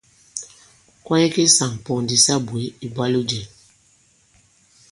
Kwaye ki ŋsàŋ pōn di sa bwě, ìbwalo jɛ̄ŋ!